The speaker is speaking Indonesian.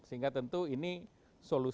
sehingga tentu ini solusinya